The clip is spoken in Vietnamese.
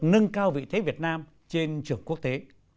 nâng cao vị thế việt nam trên trường quốc tế